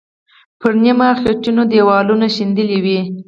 پر نیمه خټینو دیوالونو شیندلې وې.